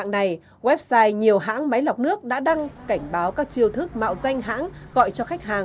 khi khách hàng đã đăng báo các chiêu thức mạo danh hãng gọi cho khách hàng